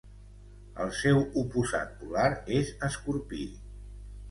El seu oposat polar és Escorpí.